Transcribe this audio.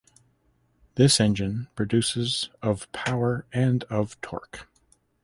This engine produces of power and of torque.